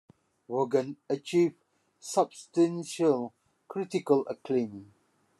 Vaughan achieved substantial critical acclaim.